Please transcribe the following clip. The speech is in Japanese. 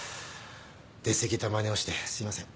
出過ぎたまねをしてすいません。